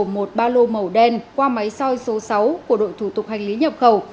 một ba lô màu đen qua máy soi số sáu của đội thủ tục hành lý nhập khẩu